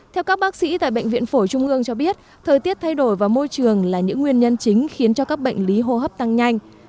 theo các bác sĩ tại bệnh viện phổi trung ương cho biết thời tiết thay đổi vào môi trường là những nguyên nhân chính khiến cho các bệnh lý hô hấp tăng nhanh